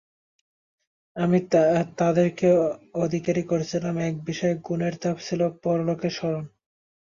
আমি তাদেরকে অধিকারী করেছিলাম এক বিশেষ গুণের তা ছিল পরলোকের স্মরণ।